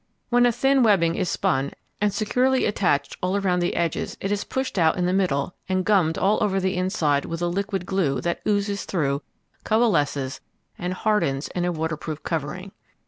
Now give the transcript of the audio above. When a thin webbing is spun and securely attached all around the edges it is pushed out in the middle and gummed all over the inside with a liquid glue that oozes through, coalesces and hardens in a waterproof covering.